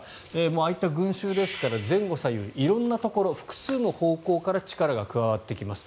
ああいった群衆ですから色んなところ、複数のところから力が加わってきます。